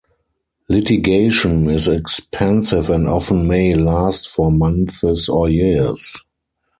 Litigation is expensive and often may last for months or years.